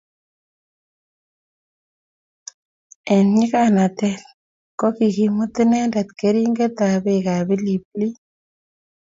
eng nyikanatet, ko kikimut inendet keringettab beekab pilipiliik